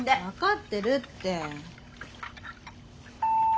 分かってるって。